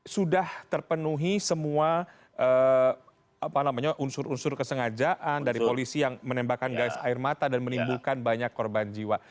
sudah terpenuhi semua unsur unsur kesengajaan dari polisi yang menembakkan gas air mata dan menimbulkan banyak korban jiwa